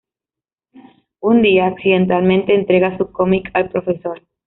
Un día, accidentalmente, entrega su cómic al profesor.